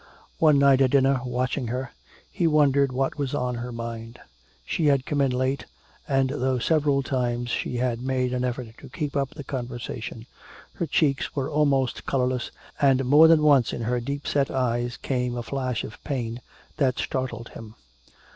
One night at dinner, watching her, he wondered what was on her mind. She had come in late, and though several times she had made an effort to keep up the conversation, her cheeks were almost colorless and more than once in her deepset eyes came a flash of pain that startled him.